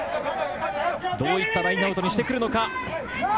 どういったラインアウトにしてくるのか？